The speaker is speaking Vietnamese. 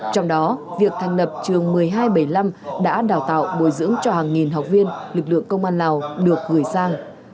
trong đó việc thành lập trường một mươi hai trăm bảy mươi năm đã đào tạo bồi dưỡng cho hàng nghìn học viên lực lượng công an lào được gửi sang